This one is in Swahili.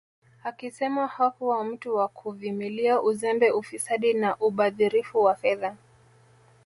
Akisema hakuwa mtu wa kuvimilia uzembe ufisadi na ubadhirifu wa fedha